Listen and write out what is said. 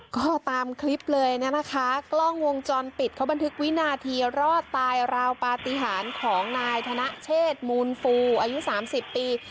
ก็ตามคลิปเลยนะคะกล้องวงจรปิดเขาบันทึกวินาทีรอดตายราวปฏิหารของนายธนเชษมูลฟูอายุ๓๐ปี